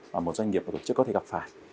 mà một doanh nghiệp một tổ chức có thể gặp phải